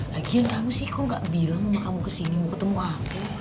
lagian kamu sih kok gak bilang mama kamu kesini mau ketemu aku